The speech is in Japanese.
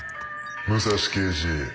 武蔵刑事。